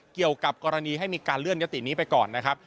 เกี่ยวกับกรณีให้มีการเลื่อนยตินี้ไปก่อนนะครับ